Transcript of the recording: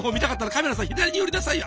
カメラさん左に寄りなさいよ。